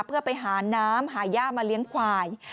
เพื่อไปหาน้ำหาย่ามาเลี้ยงควาย